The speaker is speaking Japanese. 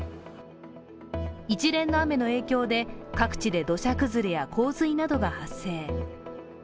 一連の雨の影響で、各地で土砂崩れや洪水などが発生。